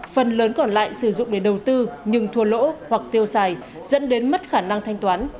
phần lớn còn lại sử dụng để đầu tư nhưng thua lỗ hoặc tiêu xài dẫn đến mất khả năng thanh toán